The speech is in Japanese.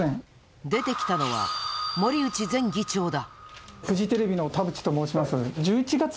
出てきたのは森内前議長だ。